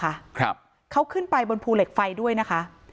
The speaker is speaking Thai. ครับเขาขึ้นไปบนภูเหล็กไฟด้วยนะคะ